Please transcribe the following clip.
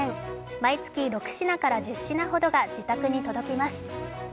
毎月６品から１０品ほどが自宅に届きます。